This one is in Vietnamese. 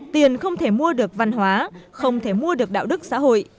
tiền không thể mua được văn hóa không thể mua được đạo đức xã hội